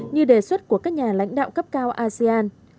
như đề xuất của các nhà lãnh đạo cấp cao asean